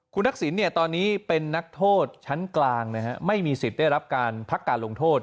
คุณทักษิณตอนนี้เป็นนักโทษชั้นกลางไม่มีสิทธิ์ได้รับการพักการลงโทษ